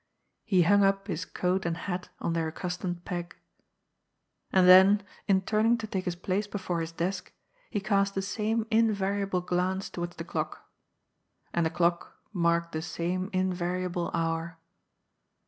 He hung up his coat and hat on their accustomed peg. And then, in turning to take his place before his desk, he cast the same invariable glance towards the clock. And the clock marked the same invariable hour.